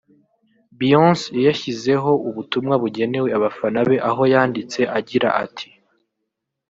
Beyonce yayashyizeho ubutumwa bugenewe abafana be aho yanditse agira ati